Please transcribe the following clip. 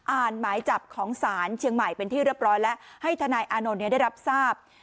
หมายจับของศาลเชียงใหม่เป็นที่เรียบร้อยแล้วให้ทนายอานนท์ได้รับทราบ